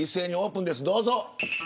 どうぞ。